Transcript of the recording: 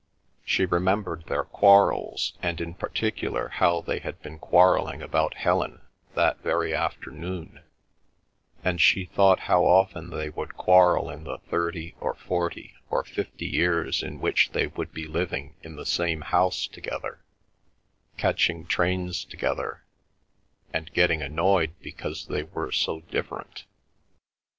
She remembered their quarrels, and in particular how they had been quarreling about Helen that very afternoon, and she thought how often they would quarrel in the thirty, or forty, or fifty years in which they would be living in the same house together, catching trains together, and getting annoyed because they were so different.